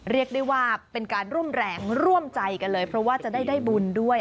เรียกได้ว่าเป็นการร่วมแรงร่วมใจกันเลยเพราะว่าจะได้บุญด้วย